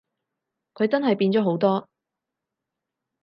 佢真係變咗好多